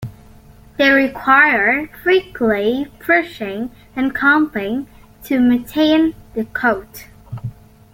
They require weekly brushing and combing to maintain the coat.